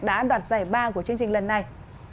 đã đoạt giải ba của chương trình lần này